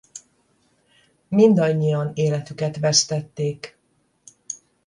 Mindannyian életüket vesztették.